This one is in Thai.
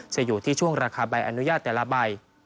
จะอยู่ที่ช่วงราคาใบอนุญาตแต่ละใบ